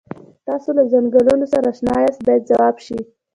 تاسو له څنګلونو سره اشنا یاست باید ځواب شي.